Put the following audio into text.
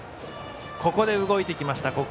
ここで動いてきました。